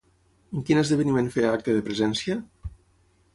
En quin esdeveniment feia acte de presència?